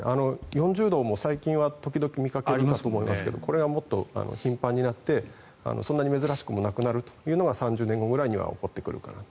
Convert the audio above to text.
４０度をもう最近は時々見かけると思いますがこれがもっと頻繁になってそんなに珍しくもなくなるというのが３０年後ぐらいには起こってくるかなと。